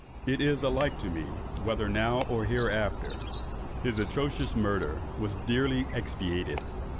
It is alike to me whether now or hereafter!" His atrocious murder was dearly expiated.